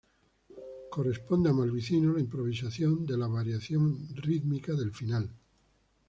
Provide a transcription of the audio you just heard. Corresponde a Malvicino la improvisación de la variación rítmica del final improvisa Horacio Malvicino.